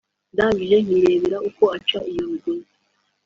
ndangije nkireba uko aca iyo migozi